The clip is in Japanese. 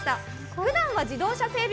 ふだんは自動車整備